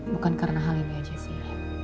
bukan karena hal ini aja sih